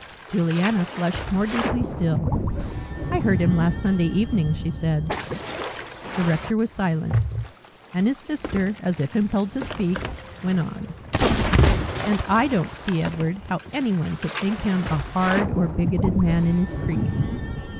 Juliana flushed more deeply still. "I heard him last Sunday evening," she said. The rector was silent, and his sister, as if impelled to speak, went on, "And I don't see, Edward, how anyone could think him a hard or bigoted man in his creed.